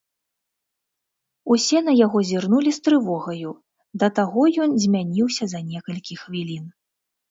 Усе на яго зірнулі з трывогаю, да таго ён змяніўся за некалькі хвілін.